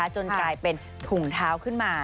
จนกลายเป็นถุงเท้าขึ้นมา